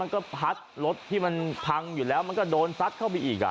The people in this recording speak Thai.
ก็พัดรถที่มันพังอยู่แล้วมันก็โดนซัดเข้าไปอีก